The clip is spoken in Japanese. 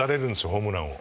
ホームランを。